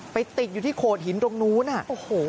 ติดอยู่ที่โขดหินตรงนู้นอ่ะโอ้โห